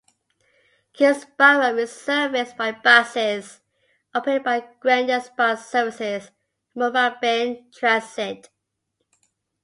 Keysborough is serviced by buses operated by Grenda's Bus Services and Moorabbin Transit.